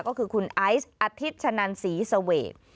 ก็คือคุณไอซ์อาทิตย์ชะนันศรีเสวก